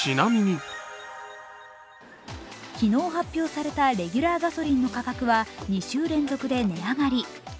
昨日発表されたレギュラーガソリンの価格は２週連続で値上がり。